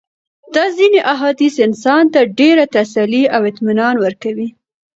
دا ځېني احاديث انسان ته ډېره تسلي او اطمنان ورکوي